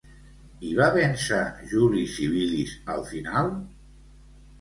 I va vèncer Juli Civilis al final?